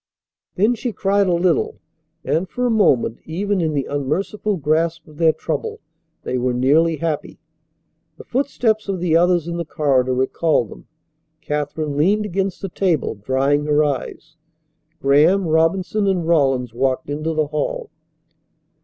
Then she cried a little, and for a moment, even in the unmerciful grasp of their trouble, they were nearly happy. The footsteps of the others in the corridor recalled them. Katherine leaned against the table, drying her eyes. Graham, Robinson, and Rawlins walked into the hall.